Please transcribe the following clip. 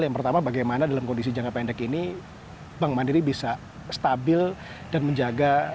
yang pertama bagaimana dalam kondisi jangka pendek ini bank mandiri bisa stabil dan menjaga